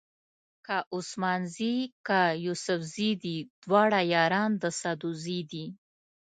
که عثمان زي که یوسفزي دي دواړه یاران د سدوزي دي.